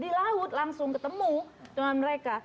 di laut langsung ketemu dengan mereka